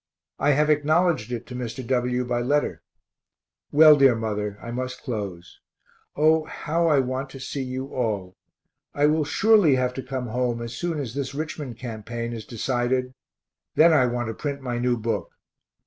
I have acknowledged it to Mr. W. by letter. Well, dear mother, I must close. O, how I want to see you all I will surely have to come home as soon as this Richmond campaign is decided then I want to print my new book.